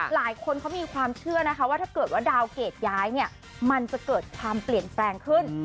หลายคนเขามีความเชื่อนะคะว่าถ้าเกิดว่าดาวเกรดย้ายเนี่ยมันจะเกิดความเปลี่ยนแปลงขึ้น